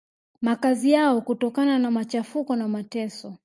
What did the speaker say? makazi yao kutokana na machafuko na mateso